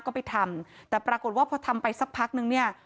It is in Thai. ก็ไปทำแต่ปรากฏว่าพอทำไปสักพักนึงเนี่ย